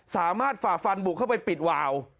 สามารถฝ่าฟันบุกเข้าไปปิดวาว